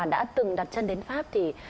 đã từng đặt chân đến pháp thì